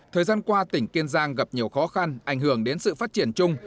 thời gian qua tỉnh kiên giang gặp nhiều khó khăn ảnh hưởng đến sự phát triển chung